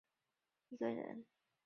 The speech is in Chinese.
袁彬人。